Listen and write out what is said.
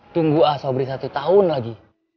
tunggu ah sobri satu tahun lagi